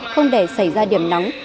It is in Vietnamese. không để xảy ra điểm nóng